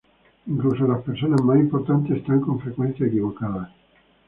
Incluso las personas más importantes están con frecuencia equivocadas.